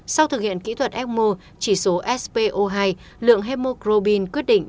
sau thực hiện kỹ thuật ecmo chỉ số spo hai lượng hemocrobin quyết định